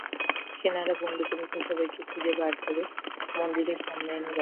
সেনারা বন্দুকের মুখে সবাইকে খুঁজে বের করে মন্দিরের সামনে এনে দাঁড় করায়।